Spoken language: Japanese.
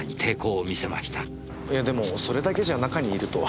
えでもそれだけじゃ中にいるとは。